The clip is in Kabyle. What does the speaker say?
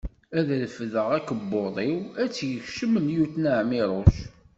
Ad refdeɣ akebbuḍ-iw, ad tt-yekcem lyuṭna Ɛmiruc.